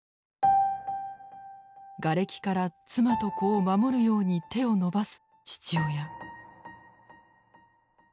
がれきから妻と子を守るように手を伸ばす父親。